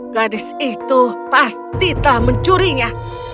gadis itu pasti telah mencurinya